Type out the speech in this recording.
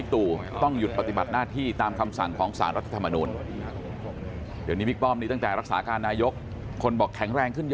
คอนบอกแข็งแรงขึ้นเยอะ